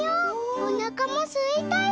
おなかもすいたよ」。